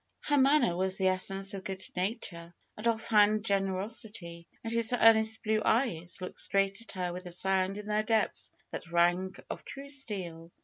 His manner was the essence of good nature and off hand generosity, and his earnest blue eyes looked straight at her with a sound in their depths that rang of true steel.